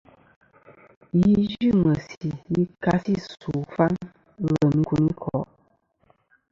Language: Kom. Yi yɨ meysi yi ka si ɨsu ɨkfaŋ ɨ lem ikuniko'.